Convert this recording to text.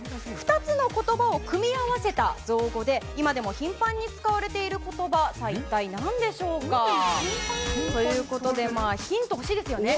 ２つのことばを組み合わせた造語で、今でも頻繁に使われていることば、さあ、一体なんでしょうか。ということで、ヒント欲しいですよね。